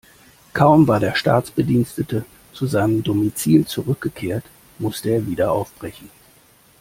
Kaum war der Staatsbedienstete zu seinem Domizil zurückgekehrt, musste er wieder aufbrechen.